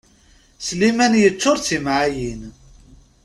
Sliman yeččur d timɛayin.